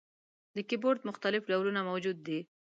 د کیبورډ مختلف ډولونه موجود دي.